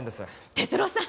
哲郎さん！